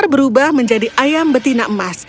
berubah menjadi ayam betina emas